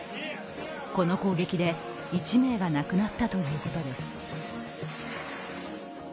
この砲撃で、１名が亡くなったということです。